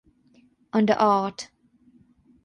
Under Art.